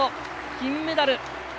金メダル！